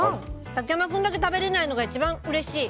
竹山君だけ食べられないのが一番うれしい。